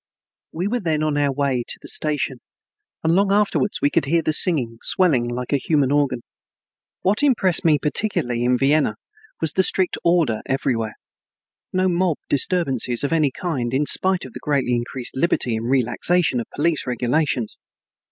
We were then on our way to the station, and long afterwards we could hear the singing, swelling like a human organ. What impressed me particularly in Vienna was the strict order everywhere. No mob disturbances of any kind, in spite of the greatly increased liberty and relaxation of police regulations.